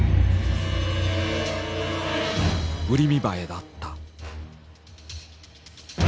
ウリミバエだった。